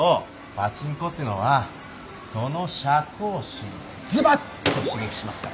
パチンコってのはその射幸心をずばっと刺激しますから